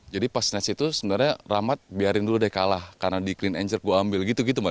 jadi pas snatch itu sebenarnya rahmat biarin dulu deh kalah karena di clean and jerk gue ambil gitu gitu mat